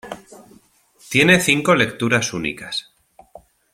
Tiene cinco lecturas únicas.